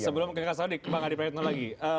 sebelum kekasih kasih saya nggak dipayangin lagi